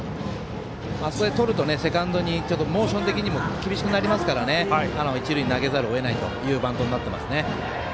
あれで、とるとセカンドにモーション的に厳しくなりますから一塁に投げざるをえないというバントになってますね。